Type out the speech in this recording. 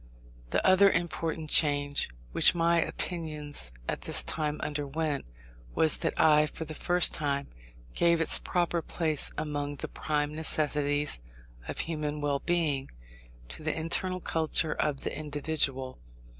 The other important change which my opinions at this time underwent, was that I, for the first time, gave its proper place, among the prime necessities of human well being, to the internal culture of the individual.